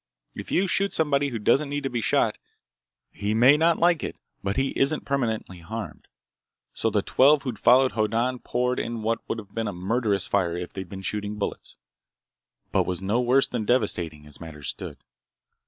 If you shoot somebody who doesn't need to be shot, he may not like it but he isn't permanently harmed. So the twelve who'd followed Hoddan poured in what would have been a murderous fire if they'd been shooting bullets, but was no worse than devastating as matters stood.